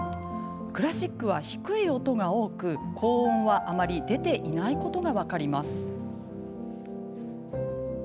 クラシックは低い音が多く高音はあまり出ていないことが分かります。